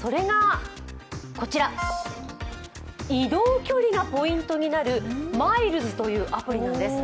それがこちら、移動距離がポイントになるＭｉｌｅｓというアプリなんです。